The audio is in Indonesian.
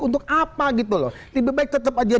untuk apa gitu loh lebih baik tetap aja